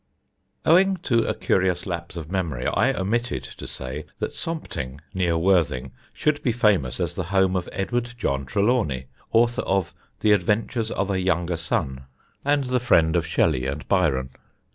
Owing to a curious lapse of memory, I omitted to say that Sompting, near Worthing, should be famous as the home of Edward John Trelawny, author of The Adventures of a Younger Son, and the friend of Shelley and Byron.